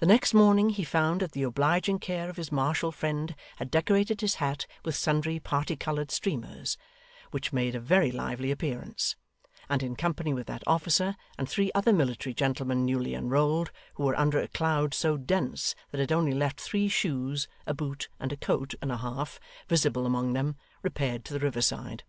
The next morning, he found that the obliging care of his martial friend had decorated his hat with sundry particoloured streamers, which made a very lively appearance; and in company with that officer, and three other military gentlemen newly enrolled, who were under a cloud so dense that it only left three shoes, a boot, and a coat and a half visible among them, repaired to the riverside.